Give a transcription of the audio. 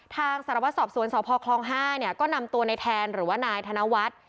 ทางสารวัตรสอบสวนสพคลอง๕เนี่ยก็นำตัวในแทนหรือว่านายธนวัฒน์